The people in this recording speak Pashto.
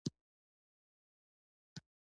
جانداد د زړونو ګټونکی دی.